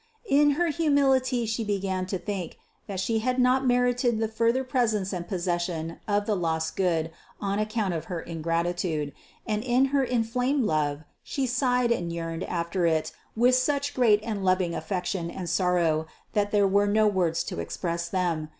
In her humility She began to think, that She had not merited the further presence and possession of the lost Good on account of her ingratitude; and in her in flamed love She sighed and yearned after It with such great and loving affection and sorrow, that there are no words to express them.